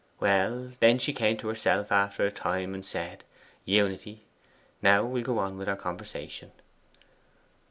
Well, then, she came to herself after a time, and said, "Unity, now we'll go on with our conversation."